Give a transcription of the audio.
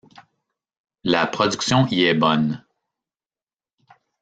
La production y est bonne.